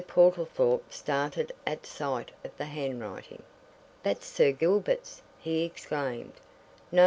Portlethorpe started at sight of the handwriting. "That's Sir Gilbert's!" he exclaimed.